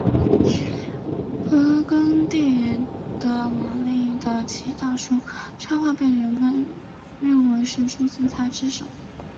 勃艮第的马丽的祈祷书插图被认为是出自他之手。